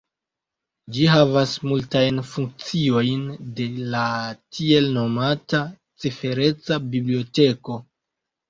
Ĝi havas multajn funkciojn de la tiel nomata cifereca biblioteko.